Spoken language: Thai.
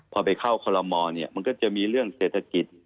พอไปเข้าคณะกรรมกรมันก็จะมีเรื่องเศรษฐกิจ